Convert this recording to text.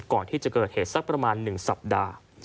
ก่อนที่จะเกิดเหตุสักประมาณ๑สัปดาห์